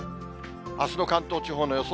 あすの関東地方の予想